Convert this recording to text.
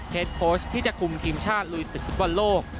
เฮดโค้ชที่จะคุมทีมชาติลุยศึกฤทธิ์วันโลก